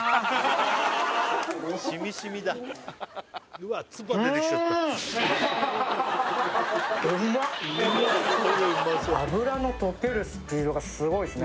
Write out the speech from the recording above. うわっ脂の溶けるスピードがすごいっすね